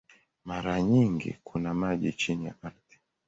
Mara nyingi kuna maji chini ya ardhi.